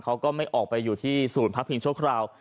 เขาก็ไม่เคยออกไปสู่ศูนย์พักพิงโชคราวด์